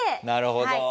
なるほど。